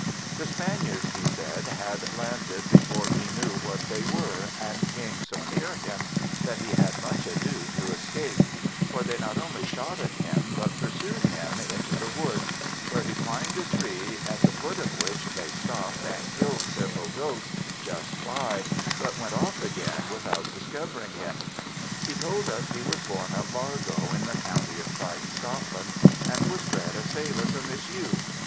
The Spaniards he said had landed before he knew what they were, and came so near him that he had much ado to escape : for they not only shot at him, but pursue'd him into the woods, where he climb'd a tree at the foot of which they stop'd and kill'd several goats just by, but went off again without discovering him. He told us he was bom at Largo in the county of Fife, Scotland, and was bred a sailor from his youth.